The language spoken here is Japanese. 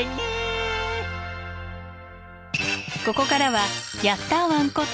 ここからはヤッターワンこと